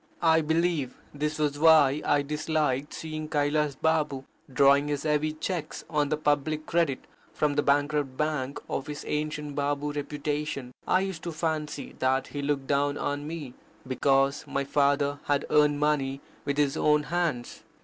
I believe this was why I disliked seeing Kailas Baba drawing his heavy cheques on the public credit from the bankrupt bank of his ancient Babu reputation I used to fancy that he looked down on me, because my father had earned money with his own hands.